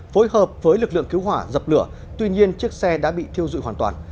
phối hợp với lực lượng cứu hỏa dập lửa tuy nhiên chiếc xe đã bị thiêu dụi hoàn toàn